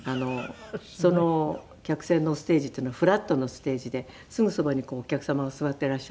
その客船のステージっていうのはフラットのステージですぐそばにお客様が座っていらっしゃるんですね。